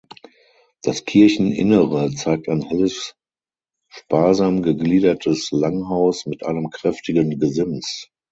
Das Kircheninnere zeigt ein helles sparsam gegliedertes Langhaus mit einem kräftigen Gesims.